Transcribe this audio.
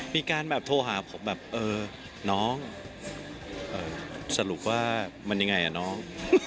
มีการแบบโทรหาผมแบบเออน้องสรุปว่ามันยังไงอ่ะน้อง